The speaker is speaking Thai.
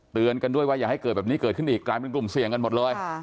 เตือนกันด้วยว่าอย่าให้เกิดแบบนี้เกิดขึ้นอีกกลายเป็นกลุ่มเสี่ยงกันหมดเลย